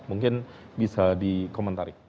mungkin bisa dikomentari